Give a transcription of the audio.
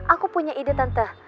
aku punya ide tante